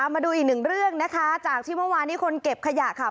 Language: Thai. มาดูอีกหนึ่งเรื่องนะคะจากที่เมื่อวานนี้คนเก็บขยะค่ะ